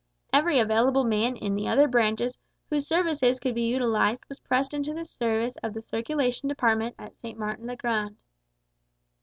Every available man in the other branches whose services could be utilised was pressed into the service of the Circulation Department at St. Martin's le Grand.